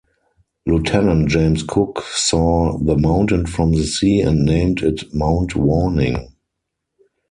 Lieutenant James Cook saw the mountain from the sea and named it Mount Warning.